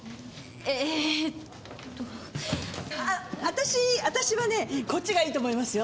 私私はねこっちがいいと思いますよ。